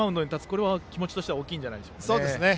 これは気持ちとしては大きいんじゃないですかね。